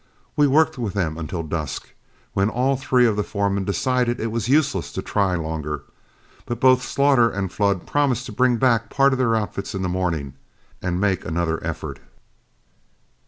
We worked with them until dusk, when all three of the foremen decided it was useless to try longer, but both Slaughter and Flood promised to bring back part of their outfits in the morning and make another effort.